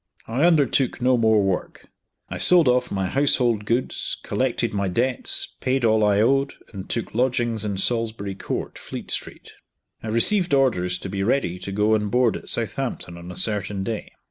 I undertook no more work. I sold off my household goods, collected my debts, paid all I owed, and took lodgings in Salisbury Court, Fleet Street. I received orders to be ready to go on board at Southampton on a certain day.